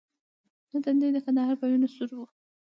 نه تندی د کندهار په وینو سور وو.